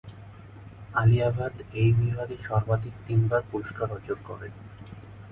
আলিয়া ভাট এই বিভাগে সর্বাধিক তিনবার পুরস্কার অর্জন করেন।